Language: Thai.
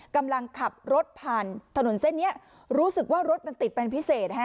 กำลังขับรถผ่านถนนเส้นนี้รู้สึกว่ารถมันติดเป็นพิเศษฮะ